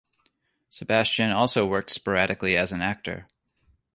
Sebastian also worked sporadically as an actor.